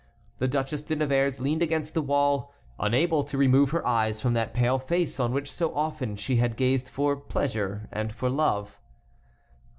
The Duchesse de Nevers leaned against the wall, unable to remove her eyes from that pale face on which so often she had gazed for pleasure and for love.